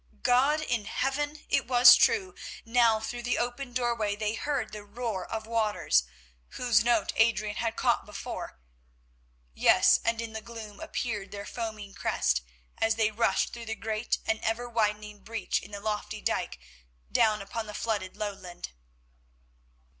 God in Heaven—it was true! Now through the open doorway they heard the roar of waters, whose note Adrian had caught before, yes, and in the gloom appeared their foaming crest as they rushed through the great and ever widening breach in the lofty dyke down upon the flooded lowland.